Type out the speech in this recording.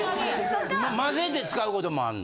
混ぜて使うこともあんの？